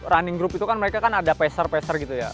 running group itu kan mereka kan ada peser paser gitu ya